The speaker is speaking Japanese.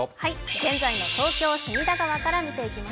現在の東京・隅田川から見ていきます。